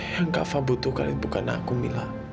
yang kak fadil butuhkan bukan aku mila